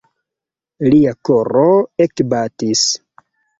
Lia koro ekbatis.